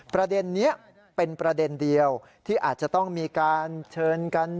ประเด็นนี้เป็นประเด็นเดียวที่อาจจะต้องมีการเชิญกัน